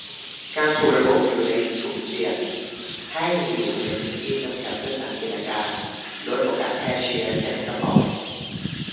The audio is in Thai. การถูกระบุว่าอยู่ในกลุ่มเสี่ยง ให้อยู่ในพื้นที่จำกัดเพื่อสังเกตอาการ-ลดโอกาสแพร่ต่อ แค่นั้นก็พอไหม